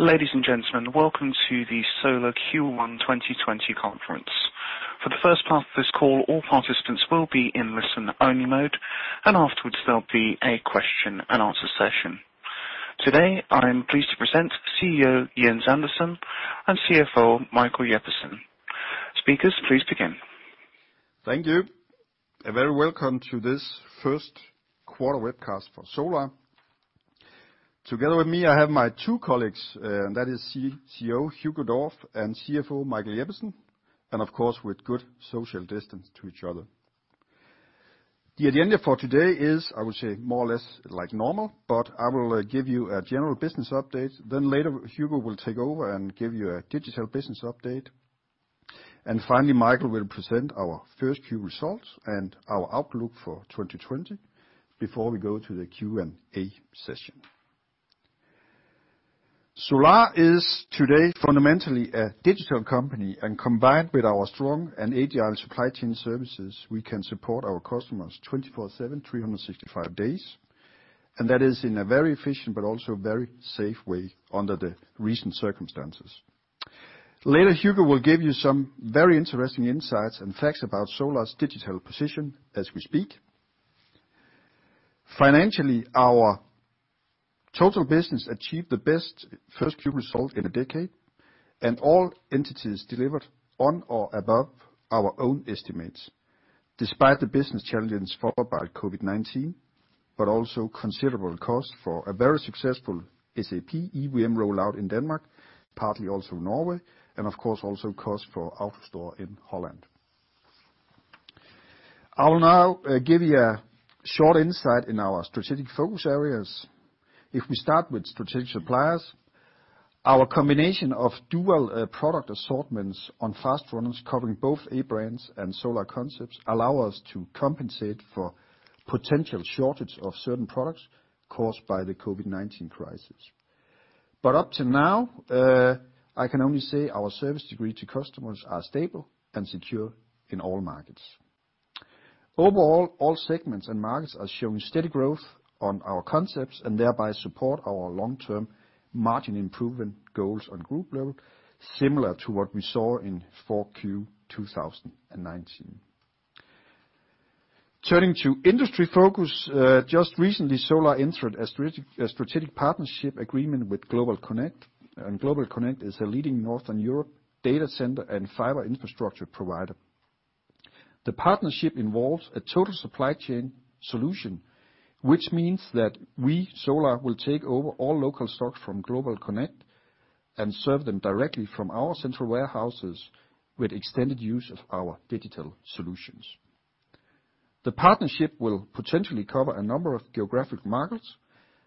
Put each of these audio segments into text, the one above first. Ladies and gentlemen, welcome to the Solar Q1 2020 conference. For the first part of this call, all participants will be in listen-only mode, and afterwards there'll be a question and answer session. Today, I am pleased to present CEO, Jens Andersen, and CFO, Michael Jeppesen. Speakers, please begin. Thank you. A very warm welcome to this first quarter webcast for Solar. Together with me, I have my two colleagues, that is CCO Hugo Dorph and CFO Michael Jeppesen, of course, with good social distance to each other. The agenda for today is, I would say, more or less like normal, I will give you a general business update. Later Hugo will take over and give you a digital business update. Finally, Michael will present our first Q results and our outlook for 2020 before we go to the Q&A session. Solar is today fundamentally a digital company. Combined with our strong and agile supply chain services, we can support our customers 24/7, 365 days. That is in a very efficient but also very safe way under the recent circumstances. Later, Hugo will give you some very interesting insights and facts about Solar's digital position as we speak. Financially, our total business achieved the best first Q result in a decade, and all entities delivered on or above our own estimates, despite the business challenges followed by COVID-19, but also considerable cost for a very successful SAP EWM rollout in Denmark, partly also Norway, and of course, also cost for AutoStore in Netherlands. I will now give you a short insight in our strategic focus areas. If we start with strategic suppliers, our combination of dual product assortments on fast runners covering both A brands and Solar concepts allow us to compensate for potential shortage of certain products caused by the COVID-19 crisis. Up to now, I can only say our service degree to customers are stable and secure in all markets. Overall, all segments and markets are showing steady growth on Solar concepts and thereby support our long-term margin improvement goals on group level, similar to what we saw in Q4 2019. Turning to industry focus, just recently, Solar entered a strategic partnership agreement with GlobalConnect. GlobalConnect is a leading Northern Europe data center and fiber infrastructure provider. The partnership involves a total supply chain solution, which means that we, Solar, will take over all local stock from GlobalConnect and serve them directly from our central warehouses with extended use of our digital solutions. The partnership will potentially cover a number of geographic markets,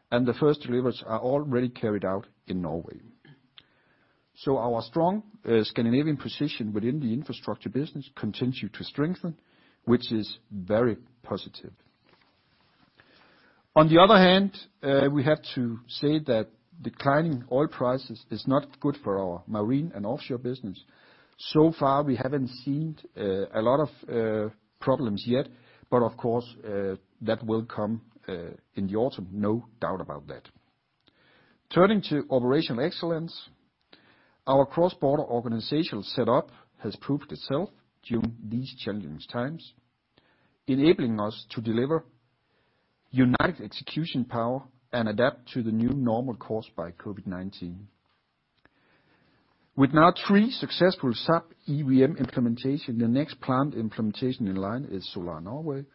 the first deliveries are already carried out in Norway. Our strong Scandinavian position within the infrastructure business continues to strengthen, which is very positive. On the other hand, we have to say that declining oil prices is not good for our marine and offshore business. Far, we haven't seen a lot of problems yet, but of course, that will come in the autumn. No doubt about that. Turning to operational excellence, our cross-border organizational set up has proved itself during these challenging times, enabling us to deliver united execution power and adapt to the new normal caused by COVID-19. With now three successful SAP EWM implementation, the next planned implementation in line is Solar Norway,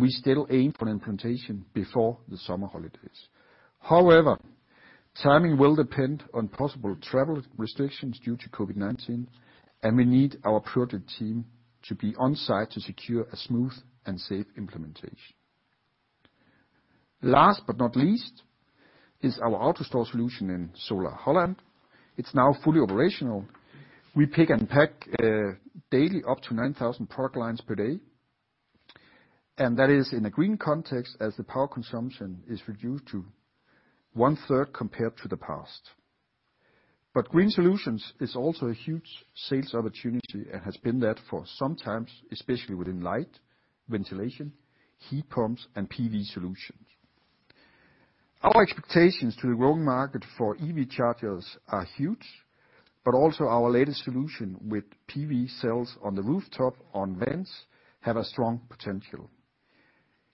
we still aim for an implementation before the summer holidays. Timing will depend on possible travel restrictions due to COVID-19, we need our project team to be on-site to secure a smooth and safe implementation. Last but not least, is our AutoStore solution in Solar Holland. It's now fully operational. We pick and pack daily up to 9,000 product lines per day, that is in a green context as the power consumption is reduced to one-third compared to the past. Green solutions is also a huge sales opportunity and has been that for some time, especially within light, ventilation, heat pumps, and PV solutions. Our expectations to the growing market for EV chargers are huge, also our latest solution with PV cells on the rooftop on vents have a strong potential.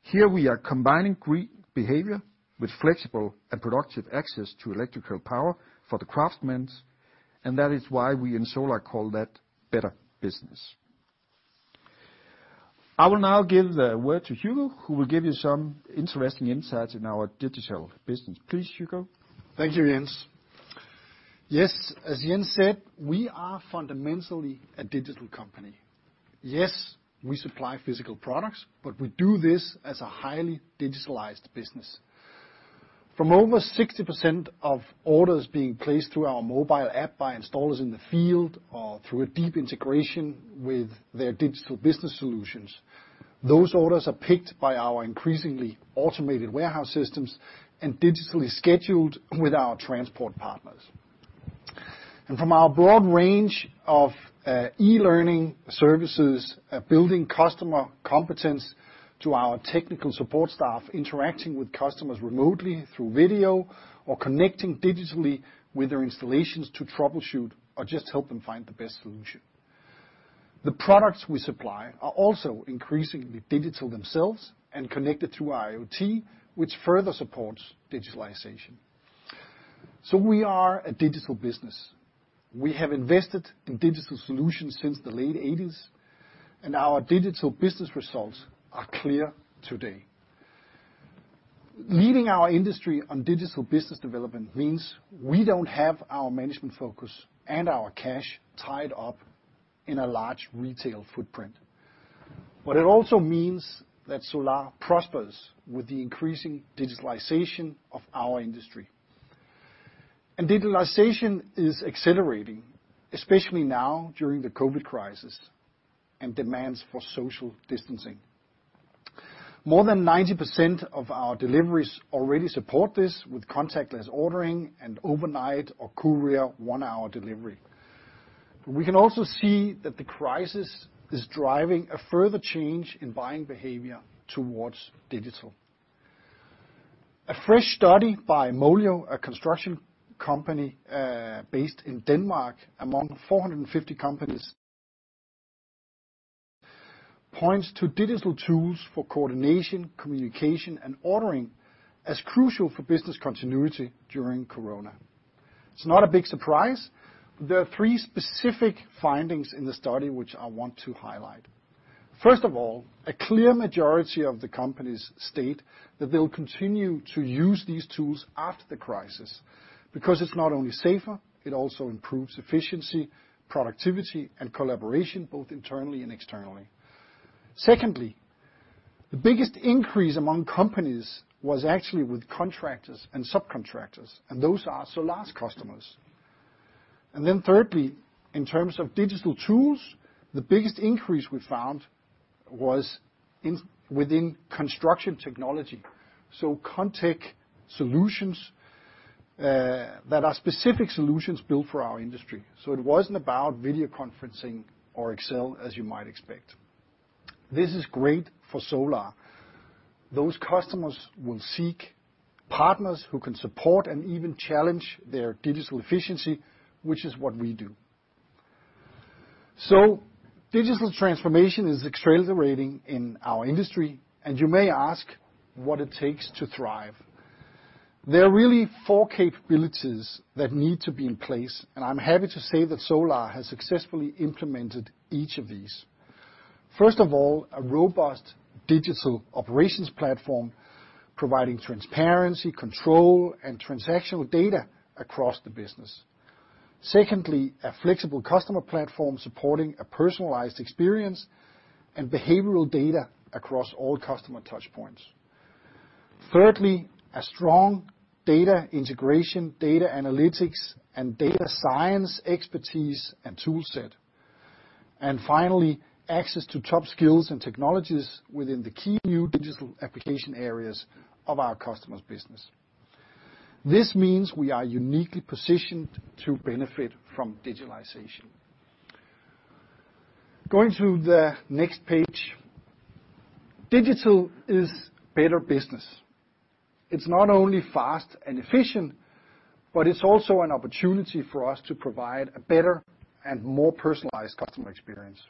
Here we are combining green behavior with flexible and productive access to electrical power for the craftsmen, that is why we in Solar call that better business. I will now give the word to Hugo, who will give you some interesting insights in our digital business. Please, Hugo. Thank you, Jens. As Jens said, we are fundamentally a digital company. We supply physical products, we do this as a highly digitalized business. From over 60% of orders being placed through our mobile app by installers in the field or through a deep integration with their digital business solutions, those orders are picked by our increasingly automated warehouse systems and digitally scheduled with our transport partners. From our broad range of e-learning services, building customer competence to our technical support staff, interacting with customers remotely through video, or connecting digitally with their installations to troubleshoot or just help them find the best solution. The products we supply are also increasingly digital themselves and connected through our IoT, which further supports digitalization. We are a digital business. We have invested in digital solutions since the late 1980s. Our digital business results are clear today. Leading our industry on digital business development means we don't have our management focus and our cash tied up in a large retail footprint. It also means that Solar prospers with the increasing digitalization of our industry. Digitalization is accelerating, especially now during the COVID-19 crisis and demands for social distancing. More than 90% of our deliveries already support this with contactless ordering and overnight or courier one-hour delivery. We can also see that the crisis is driving a further change in buying behavior towards digital. A fresh study by Molio, a construction company based in Denmark, among 450 companies, points to digital tools for coordination, communication, and ordering as crucial for business continuity during COVID-19. It's not a big surprise, but there are three specific findings in the study which I want to highlight. First of all, a clear majority of the companies state that they will continue to use these tools after the crisis, because it's not only safer, it also improves efficiency, productivity, and collaboration, both internally and externally. Secondly, the biggest increase among companies was actually with contractors and subcontractors, and those are Solar's customers. Thirdly, in terms of digital tools, the biggest increase we found was within Construction Technology. ConTech solutions that are specific solutions built for our industry. It wasn't about video conferencing or Excel as you might expect. This is great for Solar. Those customers will seek partners who can support and even challenge their digital efficiency, which is what we do. Digital transformation is accelerating in our industry, and you may ask what it takes to thrive. There are really four capabilities that need to be in place, and I'm happy to say that Solar has successfully implemented each of these. First of all, a robust digital operations platform providing transparency, control, and transactional data across the business. Secondly, a flexible customer platform supporting a personalized experience and behavioral data across all customer touchpoints. Thirdly, a strong data integration, data analytics, and data science expertise and tool set. Finally, access to top skills and technologies within the key new digital application areas of our customers' business. This means we are uniquely positioned to benefit from digitalization. Going to the next page. Digital is better business. It's not only fast and efficient, but it's also an opportunity for us to provide a better and more personalized customer experience.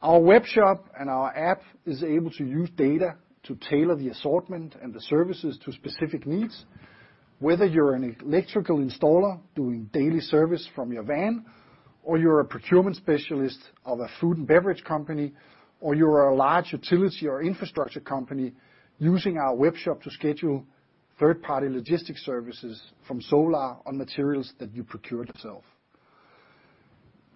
Our web shop and our app is able to use data to tailor the assortment and the services to specific needs, whether you're an electrical installer doing daily service from your van, or you're a procurement specialist of a food and beverage company, or you're a large utility or infrastructure company using our web shop to schedule third-party logistics services from Solar on materials that you procured yourself.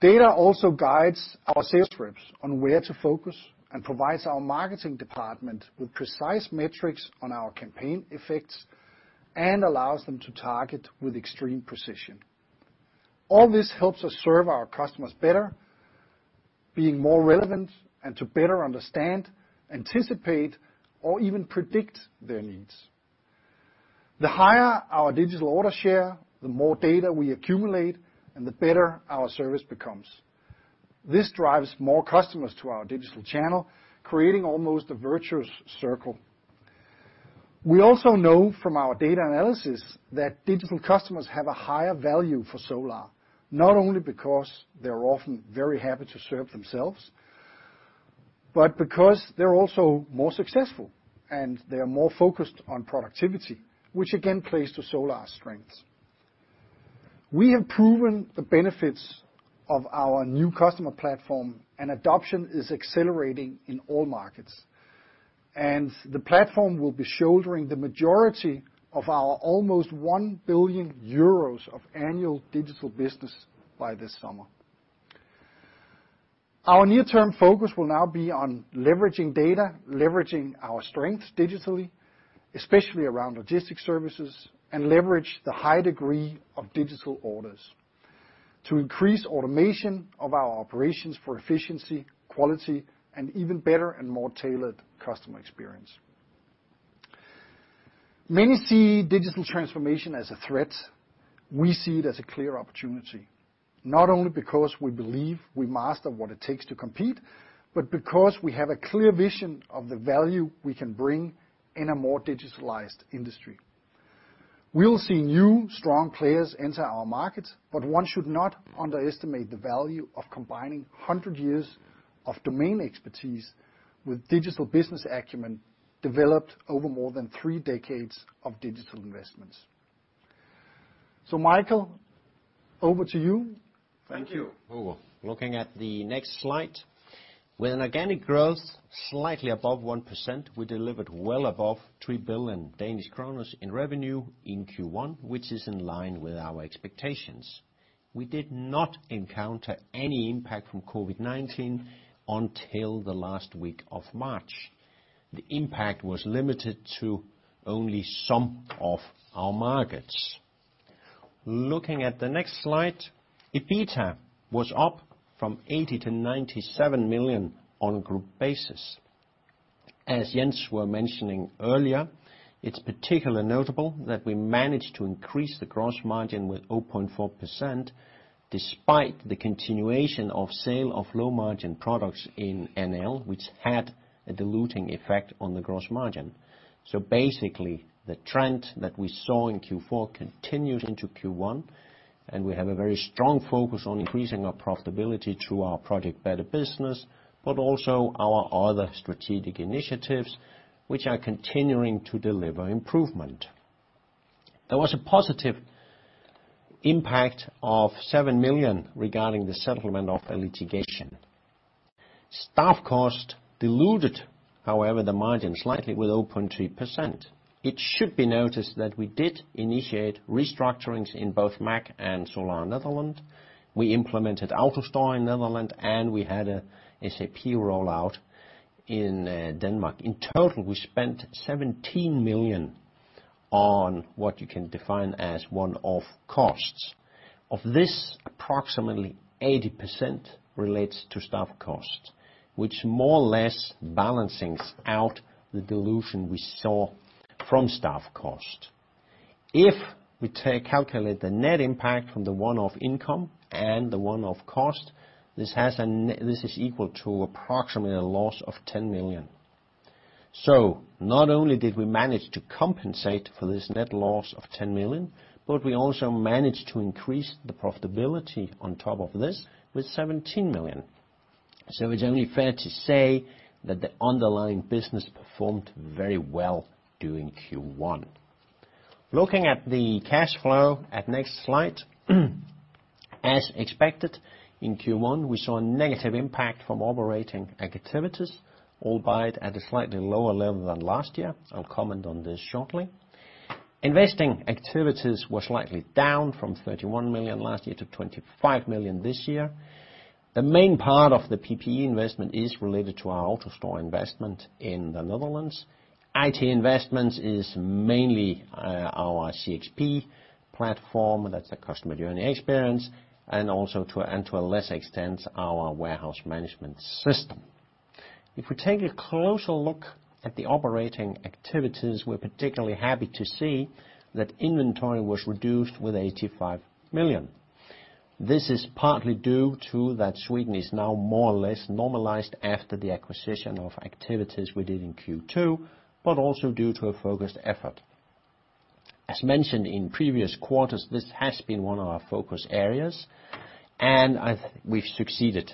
Data also guides our sales reps on where to focus and provides our marketing department with precise metrics on our campaign effects and allows them to target with extreme precision. All this helps us serve our customers better, being more relevant, and to better understand, anticipate, or even predict their needs. The higher our digital order share, the more data we accumulate and the better our service becomes. This drives more customers to our digital channel, creating almost a virtuous circle. We also know from our data analysis that digital customers have a higher value for Solar, not only because they're often very happy to serve themselves, but because they're also more successful and they are more focused on productivity, which again plays to Solar's strengths. The platform will be shouldering the majority of our almost 1 billion euros of annual digital business by this summer. Our near-term focus will now on leveraging data, leveraging our strengths digitally, especially around logistics services, and leverage the high degree of digital orders to increase automation of our operations for efficiency, quality, and even better and more tailored customer experience. Many see digital transformation as a threat. We see it as a clear opportunity, not only because we believe we master what it takes to compete, but because we have a clear vision of the value we can bring in a more digitalized industry. We'll see new strong players enter our market, but one should not underestimate the value of combining 100 years of domain expertise with digital business acumen developed over more than three decades of digital investments. Michael, over to you. Thank you, Hugo. Looking at the next slide. With an organic growth slightly above 1%, we delivered well above 3 billion Danish kroner in revenue in Q1, which is in line with our expectations. We did not encounter any impact from COVID-19 until the last week of March. The impact was limited to only some of our markets. Looking at the next slide, EBITDA was up from 80 million to 97 million on a group basis. As Jens was mentioning earlier, it's particularly notable that we managed to increase the gross margin with 0.4%, despite the continuation of sale of low-margin products in NL, which had a diluting effect on the gross margin. Basically, the trend that we saw in Q4 continues into Q1, and we have a very strong focus on increasing our profitability through our Project Better Business, but also our other strategic initiatives, which are continuing to deliver improvement. There was a positive impact of 7 million regarding the settlement of a litigation. Staff cost diluted, however, the margin slightly with 0.2%. It should be noticed that we did initiate restructurings in both MAC and Solar Netherlands. We implemented AutoStore in Netherlands, and we had an SAP rollout in Denmark. In total, we spent 17 million on what you can define as one of costs. Of this, approximately 80% relates to staff costs, which more or less balances out the dilution we saw from staff costs. If we calculate the net impact from the one-off income and the one-off cost, this is equal to approximately a loss of 10 million. Not only did we manage to compensate for this net loss of 10 million, but we also managed to increase the profitability on top of this with 17 million. It's only fair to say that the underlying business performed very well during Q1. Looking at the cash flow at next slide. As expected, in Q1, we saw a negative impact from operating activities, albeit at a slightly lower level than last year. I'll comment on this shortly. Investing activities were slightly down from 31 million last year to 25 million this year. The main part of the PPE investment is related to our AutoStore investment in the Netherlands. IT investment is mainly our CXP platform, that's the customer journey experience, and also to a lesser extent, our warehouse management system. If we take a closer look at the operating activities, we're particularly happy to see that inventory was reduced with 85 million. This is partly due to that Sweden is now more or less normalized after the acquisition of activities we did in Q2, but also due to a focused effort. As mentioned in previous quarters, this has been one of our focus areas, and we've succeeded.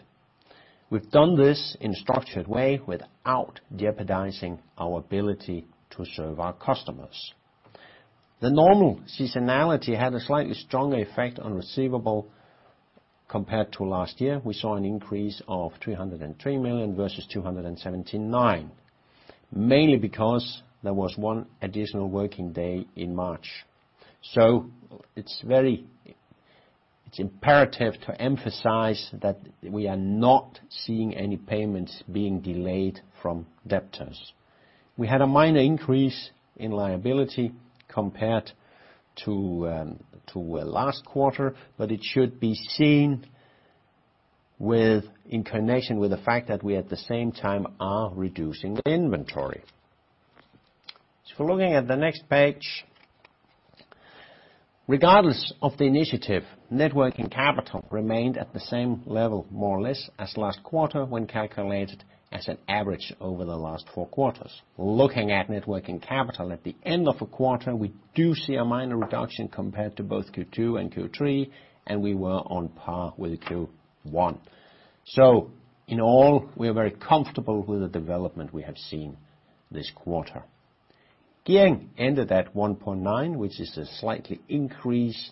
We've done this in a structured way without jeopardizing our ability to serve our customers. The normal seasonality had a slightly stronger effect on receivable compared to last year. We saw an increase of 303 million versus 279 million, mainly because there was one additional working day in March. It's imperative to emphasize that we are not seeing any payments being delayed from debtors. We had a minor increase in liability compared to last quarter, but it should be seen in connection with the fact that we, at the same time, are reducing the inventory. Looking at the next page. Regardless of the initiative, net working capital remained at the same level, more or less, as last quarter when calculated as an average over the last four quarters. Looking at net working capital at the end of a quarter, we do see a minor reduction compared to both Q2 and Q3, and we were on par with Q1. In all, we are very comfortable with the development we have seen this quarter. Gearing ended at 1.9, which is a slight increase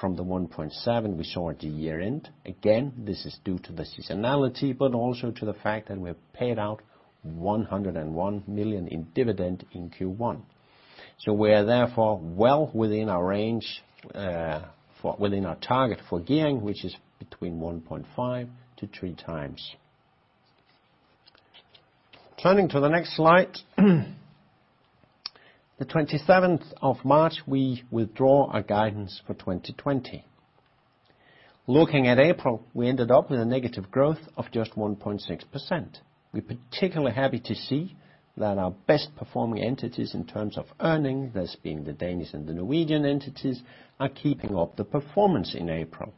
from the 1.7 we saw at the year-end. This is due to the seasonality, but also to the fact that we have paid out 101 million in dividend in Q1. We are therefore well within our range, within our target for gearing, which is between 1.5-3 times. Turning to the next slide. The 27th of March, we withdraw our guidance for 2020. Looking at April, we ended up with a negative growth of just 1.6%. We are particularly happy to see that our best performing entities in terms of earning, thus being the Danish and the Norwegian entities, are keeping up the performance in April.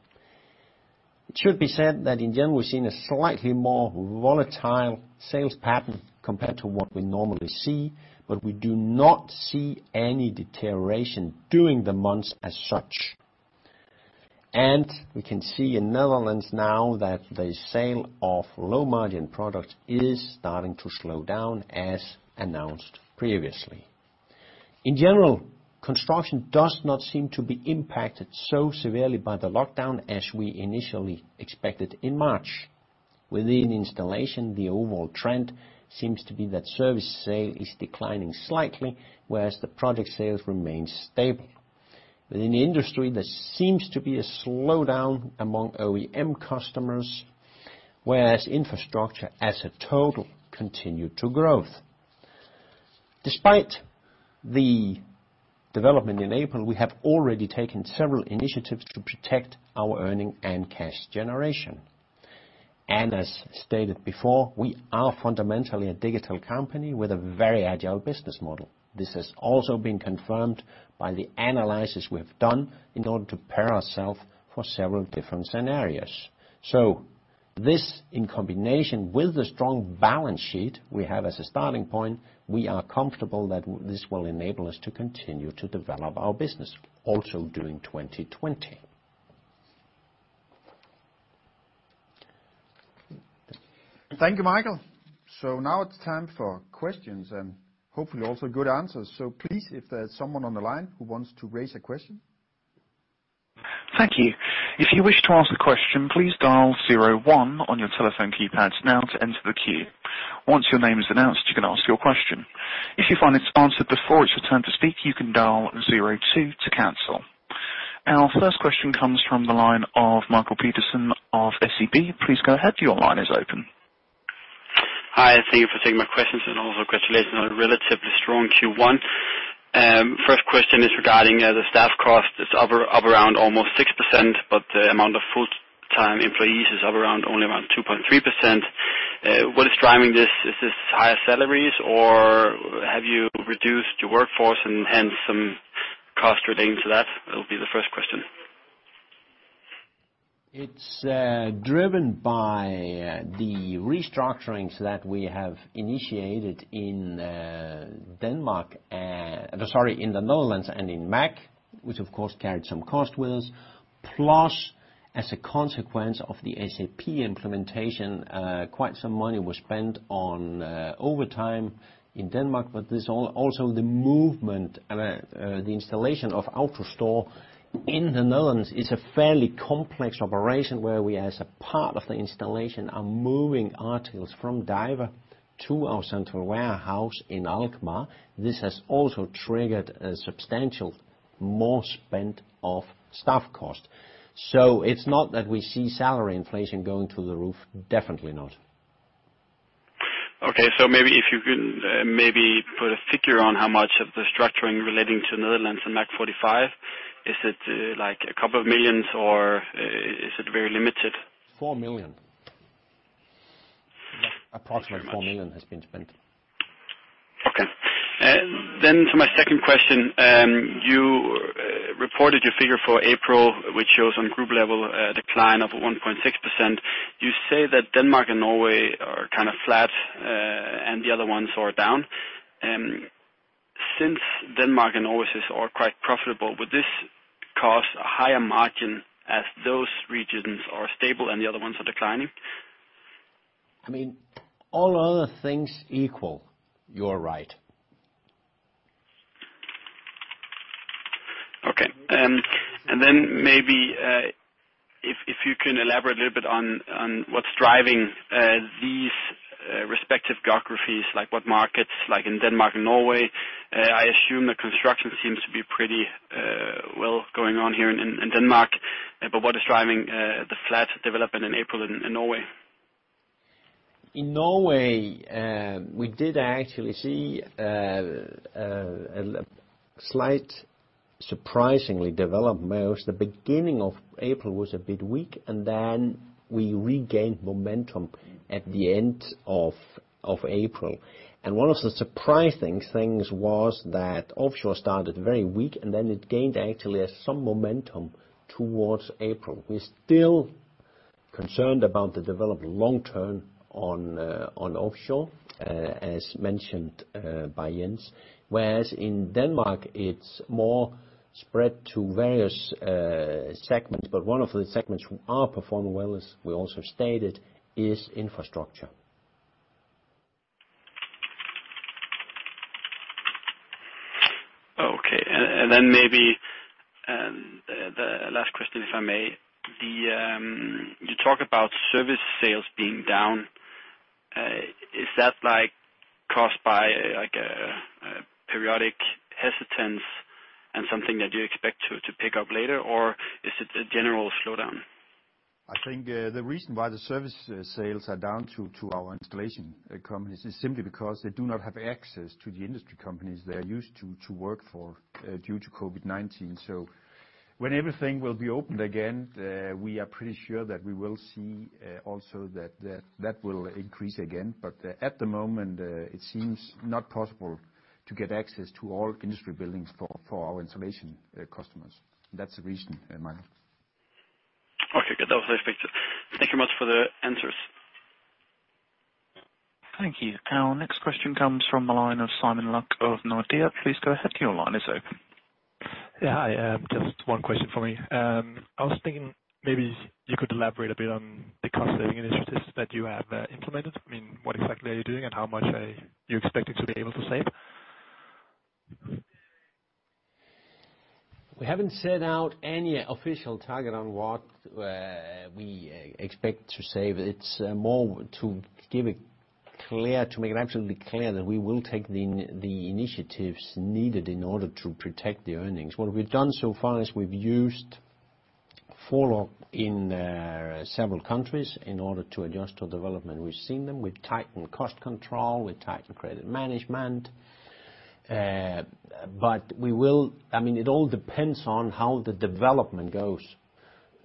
It should be said that in general, we are seeing a slightly more volatile sales pattern compared to what we normally see, but we do not see any deterioration during the months as such. We can see in Netherlands now that the sale of low-margin products is starting to slow down, as announced previously. In general, construction does not seem to be impacted so severely by the lockdown as we initially expected in March. Within installation, the overall trend seems to be that service sale is declining slightly, whereas the project sales remain stable. Within the industry, there seems to be a slowdown among OEM customers, whereas infrastructure as a total continued to grow. Despite the development in April, we have already taken several initiatives to protect our earnings and cash generation. As stated before, we are fundamentally a digital company with a very agile business model. This has also been confirmed by the analysis we've done in order to prepare ourselves for several different scenarios. This, in combination with the strong balance sheet we have as a starting point, we are comfortable that this will enable us to continue to develop our business, also during 2020. Thank you, Michael. Now it's time for questions and hopefully also good answers. Please, if there's someone on the line who wants to raise a question. Thank you. If you wish to ask a question, please dial zero one on your telephone keypads now to enter the queue. Once your name is announced, you can ask your question. If you find it's answered before it's your turn to speak, you can dial zero two to cancel. Our first question comes from the line of Michael Pedersen of SEB. Please go ahead. Your line is open. Hi, thank you for taking my questions and also congratulations on a relatively strong Q1. First question is regarding the staff cost. It's up around almost 6%, but the amount of full-time employees is up around only 2.3%. What is driving this? Is this higher salaries, or have you reduced your workforce and hence some cost relating to that? That will be the first question. It's driven by the restructurings that we have initiated in the Netherlands and in MAG, which of course carried some cost with us. As a consequence of the SAP implementation, quite some money was spent on overtime in Denmark. There's also the movement, the installation of AutoStore in the Netherlands is a fairly complex operation where we, as a part of the installation, are moving articles from Duiven to our central warehouse in Alkmaar. This has also triggered a substantial more spend of staff cost. It's not that we see salary inflation going through the roof. Definitely not. Okay. Maybe if you can maybe put a figure on how much of the structuring relating to Netherlands and MAG45. Is it a couple of million or is it very limited? 4 million. Thank you very much. Approximately 4 million has been spent. Okay. To my second question. You reported your figure for April, which shows on group level a decline of 1.6%. You say that Denmark and Norway are kind of flat, and the other ones are down. Since Denmark and Norway are quite profitable, would this cause a higher margin as those regions are stable and the other ones are declining? All other things equal, you're right. Okay. Then maybe if you can elaborate a little bit on what's driving these respective geographies, like what markets, like in Denmark and Norway. I assume the construction seems to be pretty well going on here in Denmark. But what is driving the flat development in April in Norway? In Norway, we did actually see a slight surprising development. The beginning of April was a bit weak, and then we regained momentum at the end of April. One of the surprising things was that offshore started very weak, and then it gained actually some momentum towards April. We're still concerned about the development long term on offshore, as mentioned by Jens. Whereas in Denmark, it's more spread to various segments, but one of the segments are performing well, as we also stated, is infrastructure. Okay. Maybe the last question, if I may. You talk about service sales being down. Is that caused by a periodic hesitance and something that you expect to pick up later, or is it a general slowdown? I think the reason why the service sales are down to our installation companies is simply because they do not have access to the industry companies they are used to working for due to COVID-19. When everything will be opened again, we are pretty sure that we will see also that will increase again. At the moment, it seems not possible to get access to all industry buildings for our installation customers. That's the reason, Michael. Okay, good. That was expected. Thank you much for the answers. Thank you. Our next question comes from the line of [Simon Luck] of Nordea. Please go ahead. Your line is open. Yeah. Hi, just one question for me. I was thinking maybe you could elaborate a bit on the cost-saving initiatives that you have implemented. What exactly are you doing and how much are you expecting to be able to save? We haven't set out any official target on what we expect to save. It's more to make it absolutely clear that we will take the initiatives needed in order to protect the earnings. What we've done so far is we've used follow-up in several countries in order to adjust to development. We've seen them. We've tightened cost control. We've tightened credit management. It all depends on how the development goes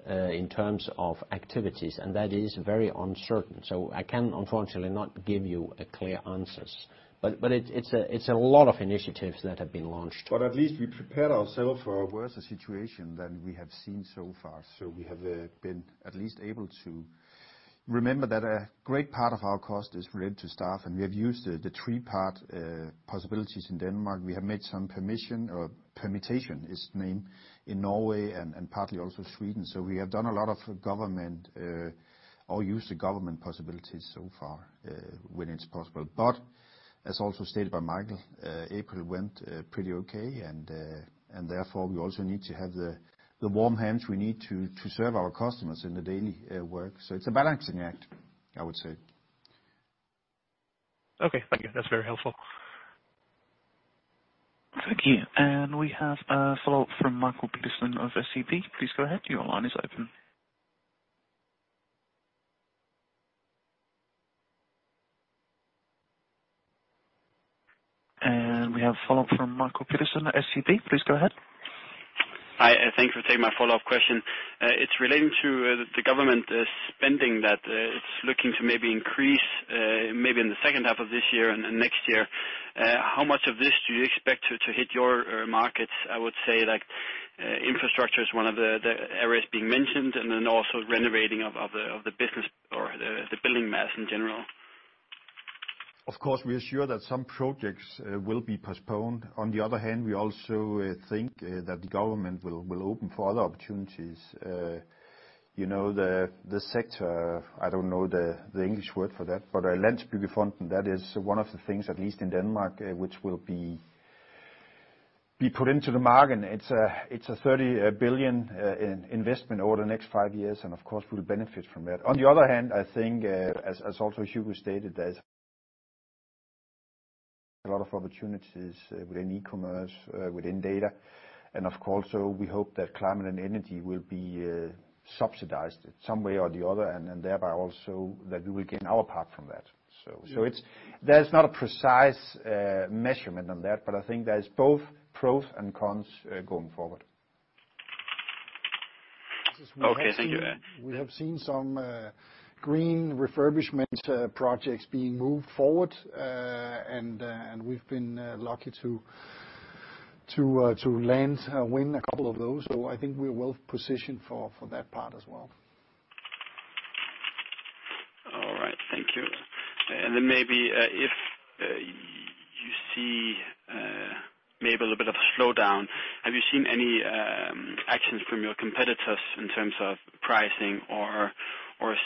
in terms of activities, and that is very uncertain. I can unfortunately not give you clear answers, but it's a lot of initiatives that have been launched. At least we prepared ourselves for a worse situation than we have seen so far. We have been at least able to remember that a great part of our cost is related to staff, and we have used the three-part possibilities in Denmark. We have made some permission or permittation, it's named, in Norway and partly also Sweden. We have done a lot of government or used the government possibilities so far when it's possible. As also stated by Michael, April went pretty okay, and therefore we also need to have the warm hands we need to serve our customers in the daily work. It's a balancing act, I would say. Okay. Thank you. That's very helpful. Thank you. We have a follow-up from Michael Pedersen of SEB. Please go ahead. Your line is open. We have a follow-up from Michael Pedersen, SEB. Please go ahead. Hi. Thank you for taking my follow-up question. It's relating to the government spending that it's looking to maybe increase maybe in the second half of this year and next year. How much of this do you expect to hit your markets? I would say infrastructure is one of the areas being mentioned, and then also renovating of the business or the building mass in general. Of course, we are sure that some projects will be postponed. We also think that the government will open for other opportunities. The sector, I don't know the English word for that, but Landsbyggefonden, that is one of the things, at least in Denmark, which will be put into the market. It's a 30 billion investment over the next 5 years. Of course, we'll benefit from that. I think, as also Hugo stated, there's a lot of opportunities within e-commerce, within data. Of course, we hope that climate and energy will be subsidized some way or the other, and thereby also that we will gain our part from that. There's not a precise measurement on that, but I think there's both pros and cons going forward. Okay. Thank you. We have seen some green refurbishment projects being moved forward, and we've been lucky to win a couple of those. I think we are well-positioned for that part as well. All right. Thank you. Maybe if you see maybe a little bit of a slowdown, have you seen any actions from your competitors in terms of pricing or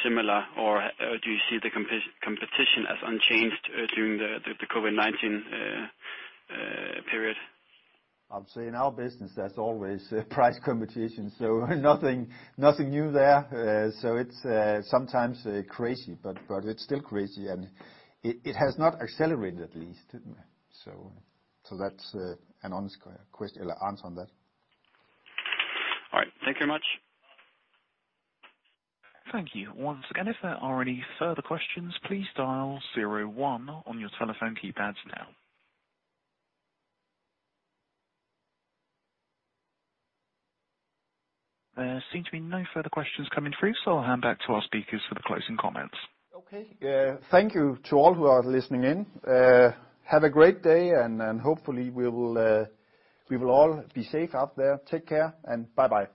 similar, or do you see the competition as unchanged during the COVID-19 period? I'll say in our business, there's always price competition, so nothing new there. It's sometimes crazy, but it's still crazy, and it has not accelerated at least. That's an honest answer on that. All right. Thank you very much. Thank you. Once again, if there are any further questions, please dial zero one on your telephone keypads now. There seem to be no further questions coming through, so I'll hand back to our speakers for the closing comments. Okay. Thank you to all who are listening in. Have a great day, and hopefully, we will all be safe out there. Take care, and bye-bye.